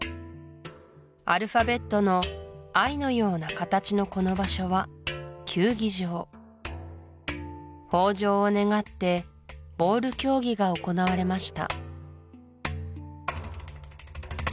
アルファベットのＩのような形のこの場所は球技場豊じょうを願ってボール競技が行われました